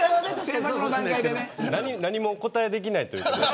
何もお答えできないという。